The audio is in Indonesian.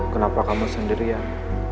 kenapa kamu sendirian